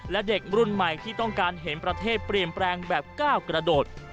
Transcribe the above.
และเด็กรุ่นใหม่ที่ต้องการเห็นประเทศเปลี่ยนแปลงแบบก้าวกระโดด